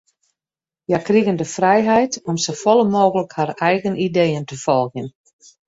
Hja krigen de frijheid om safolle mooglik har eigen ideeën te folgjen.